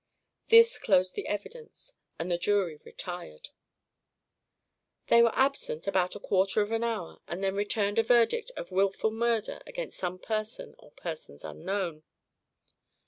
This closed the evidence; and the jury retired. They were absent about a quarter of an hour, and then returned a verdict of wilful murder against some person or persons unknown.